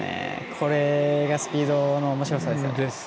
これが、スピードのおもしろさですね。